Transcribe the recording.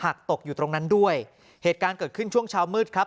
ตกอยู่ตรงนั้นด้วยเหตุการณ์เกิดขึ้นช่วงเช้ามืดครับ